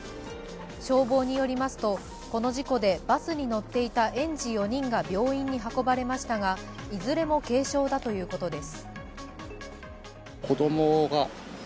消防によりますと、この事故でバスに乗っていた園児４人が病院に運ばれましたがいずれも軽傷だということです。